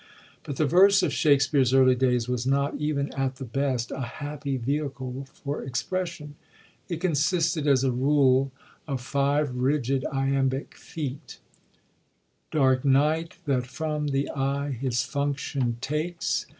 But the verse of Shak spere's early days was not, even at the best, a happy vehicle for expression. It consisted, as a rule, of five rigid iambic feet :'* Dark night, that from the eye hTs Function takes.